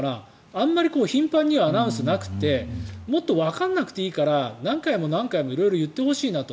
あまり頻繁にはアナウンスがなくてもっとわからなくていいから何回も何回も色々言ってほしいなと。